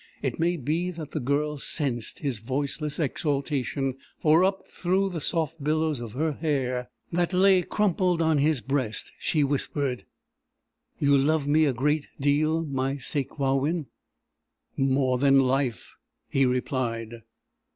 It may be that the Girl sensed his voiceless exaltation, for up through the soft billows of her hair that lay crumpled on his breast she whispered: "You love me a great deal, my Sakewawin?" "More than life," he replied.